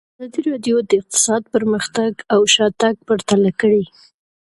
ازادي راډیو د اقتصاد پرمختګ او شاتګ پرتله کړی.